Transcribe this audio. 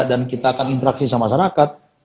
dan kita akan interaksi sama masyarakat